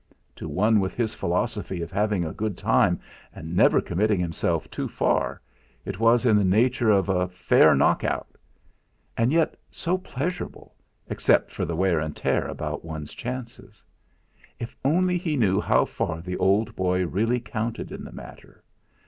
To one with his philosophy of having a good time and never committing himself too far, it was in the nature of "a fair knock out," and yet so pleasurable, except for the wear and tear about one's chances. If only he knew how far the old boy really counted in the matter!